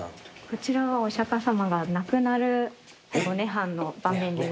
こちらはお釈迦様が亡くなるお涅槃の盤面でございます。